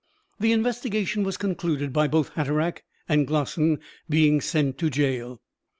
The investigation was concluded by both Hatteraick and Glossin being sent to gaol.